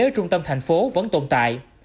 ở trung tâm thành phố vẫn tồn tại